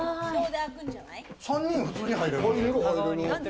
３人、普通に入れる。